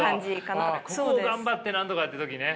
ここを頑張ってなんとかって時ね。